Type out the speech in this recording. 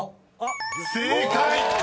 ［正解！］